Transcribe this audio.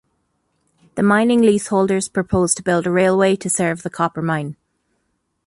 The mining lease holders propose to build a railway to serve the copper mine.